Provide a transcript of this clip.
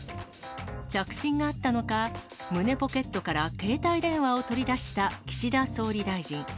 着信があったのか、胸ポケットから携帯電話を取り出した岸田総理大臣。